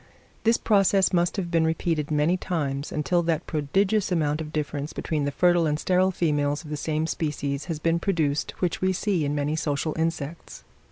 This process must have been repeated many times, until that prodigious amount of difference between the fertile and sterile females of the same species has been produced which we see in many social insects.